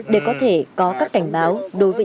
để có thể có các cảnh báo đối với